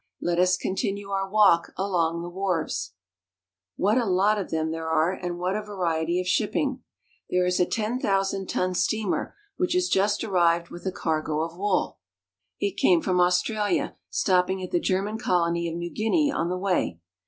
Let us continue our walk along the wharves. What a lot of them there are, and what a variety of shipping ! There is a ten thousand ton steamer which has just arrived with a cargo of wool ; it came from Australia, stopping at the German colony of New Guinea on the way.